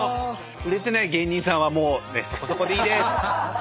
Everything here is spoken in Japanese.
売れてない芸人さんはもうそこそこでいいです。